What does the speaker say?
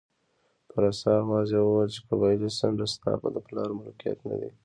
په رسا اواز یې وویل چې قبایلي څنډه ستا د پلار ملکیت نه دی.